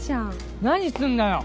何すんだよ！？